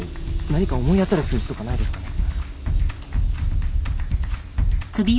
何か思い当たる数字とかないですかね？